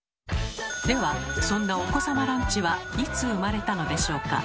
ではそんなお子様ランチはいつ生まれたのでしょうか？